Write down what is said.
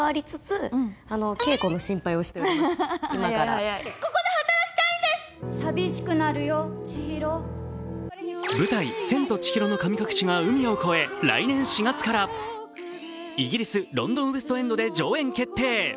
はじけすぎでしょ『三ツ矢サイダー』舞台「千と千尋の神隠し」が海を越え来年４月からイギリス、ロンドン・ウェストエンドで上演決定。